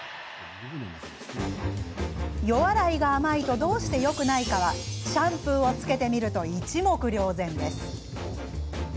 予洗いが甘いとどうしてよくないかはシャンプーをつけてみると一目瞭然です。